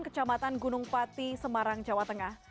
kecamatan gunung pati semarang jawa tengah